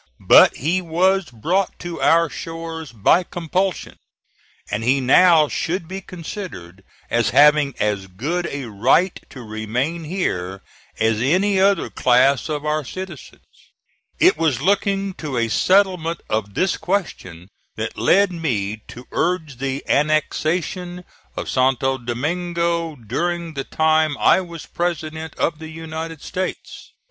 But he was brought to our shores by compulsion, and he now should be considered as having as good a right to remain here as any other class of our citizens. It was looking to a settlement of this question that led me to urge the annexation of Santo Domingo during the time I was President of the United States.